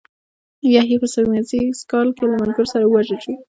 یحیی په سپوږمیز کال کې له ملګرو سره ووژل شو.